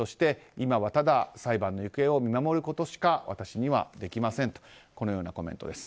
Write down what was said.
今はただ、裁判の行方を見守ることしか私にはできませんとこのようなコメントです。